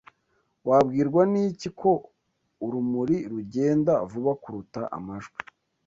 Wabwirwa n'iki ko urumuri rugenda vuba kuruta amajwi?